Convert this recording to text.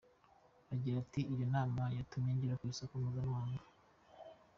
Agira ati “Iyo nama yatumye ngera ku isoko mpuzamahanga.